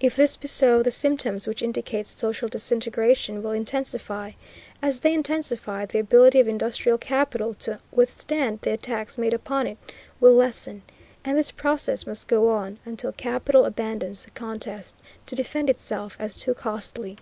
If this be so the symptoms which indicate social disintegration will intensify. As they intensify, the ability of industrial capital to withstand the attacks made upon it will lessen, and this process must go on until capital abandons the contest to defend itself as too costly.